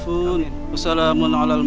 putri akan selalu kangen sama nenek